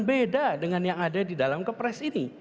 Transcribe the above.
beda dengan yang ada di dalam kepres ini